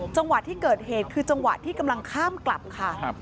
จังหวะที่เกิดเหตุคือจังหวะที่กำลังข้ามกลับค่ะ